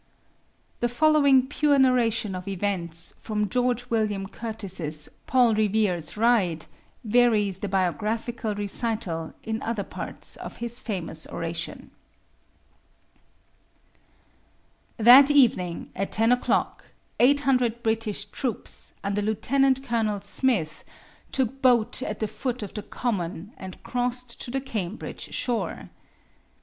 The following pure narration of events, from George William Curtis's "Paul Revere's Ride," varies the biographical recital in other parts of his famous oration: That evening, at ten o'clock, eight hundred British troops, under Lieutenant Colonel Smith, took boat at the foot of the Common and crossed to the Cambridge shore.